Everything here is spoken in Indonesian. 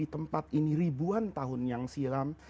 tempat ini ribuan tahun yang silam